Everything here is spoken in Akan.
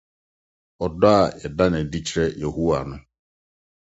Ɔdɔ a yɛda no adi kyerɛ Yehowa no